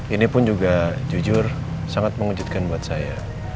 ini pun juga jujur sangat mengejutkan buat saya